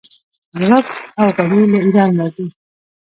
رب او غوړي له ایران راځي.